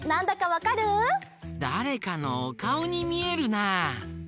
だれかのおかおにみえるな！